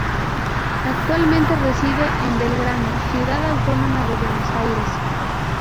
Actualmente reside en Belgrano, Ciudad Autónoma de Buenos Aires.